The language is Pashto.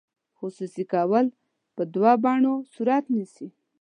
خصوصي کول په دوه بڼو صورت نیسي.